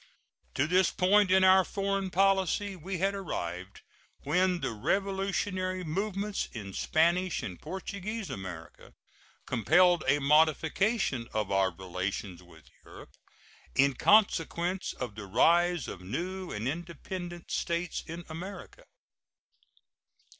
To this point in our foreign policy we had arrived when the revolutionary movements in Spanish and Portuguese America compelled a modification of our relations with Europe, in consequence of the rise of new and independent states in America.